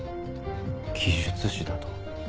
奇術師だと？